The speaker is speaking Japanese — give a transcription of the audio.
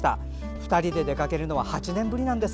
２人で出かけるのは８年ぶりなんです。